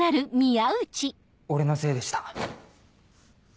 俺のせいでした。